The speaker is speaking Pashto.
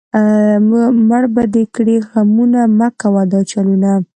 مړ به دې کړي غمونه، مۀ کوه دا چلونه